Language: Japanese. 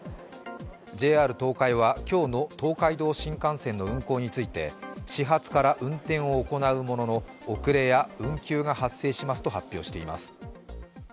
ＪＲ東海は今日の東海道新幹線の運行について始発から運行を行うものの遅れや運休が発生しますと発表しています。